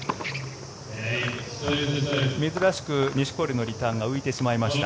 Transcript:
珍しく錦織のリターンが浮いてしまいました。